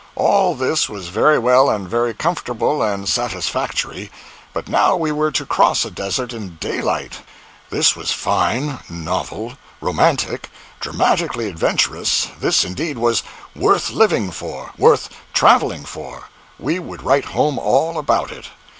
All this was very well and very comfortable and satisfactory—but now we were to cross a desert in daylight. This was fine—novel—romantic—dramatically adventurous—this, indeed, was worth living for, worth traveling for! We would write home all about it.